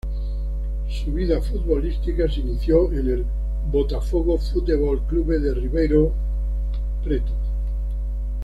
Su vida futbolística se inició en el Botafogo Futebol Clube de Ribeirão Preto.